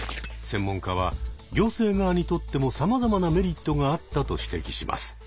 専門家は行政側にとっても様々なメリットがあったと指摘します。